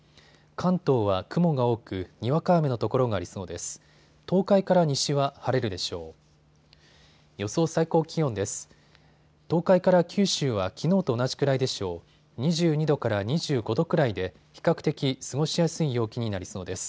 関東は雲が多く、にわか雨の所がありそうです。